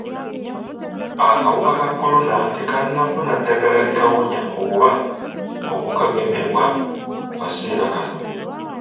Akawuka ka kolona tekannafuna ddagala likawonya oba okukagemebwa mu kaseera kano.